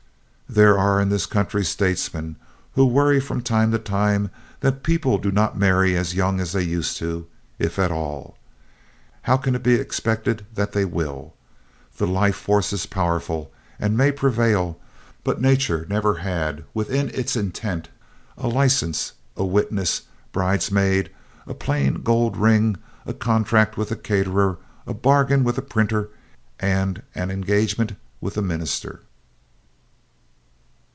There are in this country statesmen who worry from time to time that people do not marry as young as they used to, if at all. How can it be expected that they will? The life force is powerful and may prevail, but nature never had within its intent a license, witnesses, bridesmaids, a plain gold ring, a contract with the caterer, a bargain with the printer and an engagement with the minister.